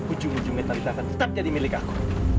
ujung ujungnya talitha akan tetap jadi milik aku